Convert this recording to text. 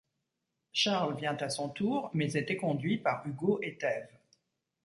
Charles vient à son tour mais est éconduit par Hugo et Thève.